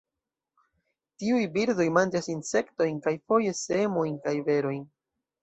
Tiuj birdoj manĝas insektojn kaj foje semojn kaj berojn.